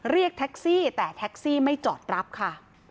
เรียกแท็กซี่แต่แท็กซี่ไม่จอดรับค่ะ